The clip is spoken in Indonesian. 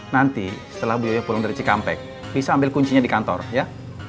nanti setelah beliau pulang dari cikampek bisa ambil kuncinya di kantor ya